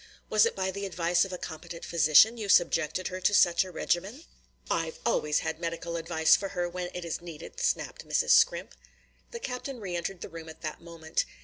Was it by the advice of a competent physician you subjected her to such a regimen?" "I've always had medical advice for her when it was needed," snapped Mrs. Scrimp. The captain re entered the room at that moment.